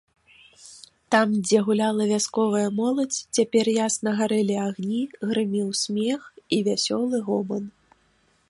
Там, дзе гуляла вясковая моладзь, цяпер ясна гарэлі агні, грымеў смех і вясёлы гоман.